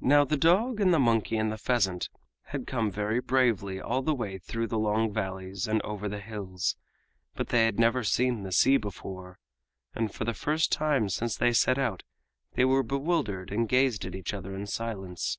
Now, the dog and the monkey and the pheasant had come very bravely all the way through the long valleys and over the hills, but they had never seen the sea before, and for the first time since they set out they were bewildered and gazed at each other in silence.